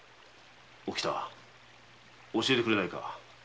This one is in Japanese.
おきた教えてくれないか？